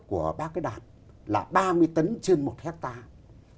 của bác ấy đạt là ba mươi tấn trên một hectare